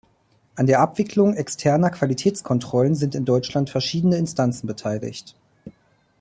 An der Abwicklung externer Qualitätskontrollen sind in Deutschland verschiedene Instanzen beteiligt.